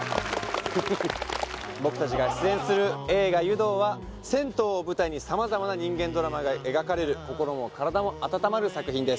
僕たちが出演する映画「湯道」は銭湯を舞台に様々な人間ドラマが描かれる心も体も温まる作品です